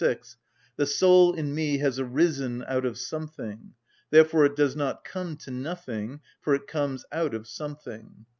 6): "The soul in me has arisen out of something; therefore it does not come to nothing; for it comes out of something."